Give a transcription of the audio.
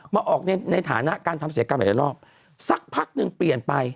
ก็ออกในฐานะการทำเสียงกันหลายรอบสักพักนึงเปลี่ยนไป